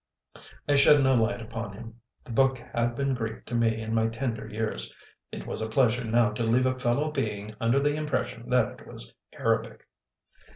I shed no light upon him. The book had been Greek to me in my tender years; it was a pleasure now to leave a fellow being under the impression that it was Arabic.